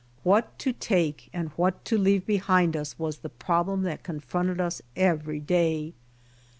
What to take and what to leave behind us was the problem that con fronted us every day.